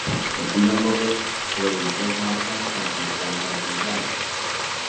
Se puya un poquet pero dimpués marchas cantimplano-cantimplano.